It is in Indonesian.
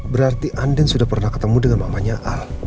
berarti andin sudah pernah ketemu dengan mamanya al